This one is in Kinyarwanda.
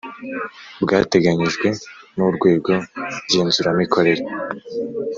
Bwateganyijwe n’Urwego Ngenzuramikorere